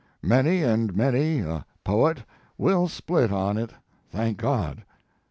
Many and many a poet will split on it, thank God.